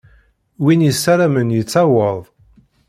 Win yessaramen yettaweḍ.